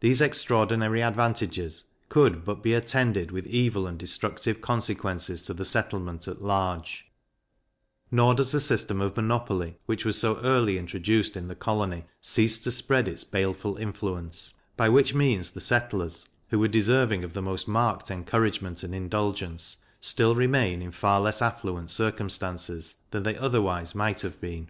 These extraordinary advantages could but be attended with evil and destructive consequences to the settlement at large; nor does the system of monopoly, which was so early introduced in the colony, cease to spread its baleful influence; by which means the settlers, who were deserving of the most marked encouragement and indulgence, still remain in far less affluent circumstances than they otherwise might have been.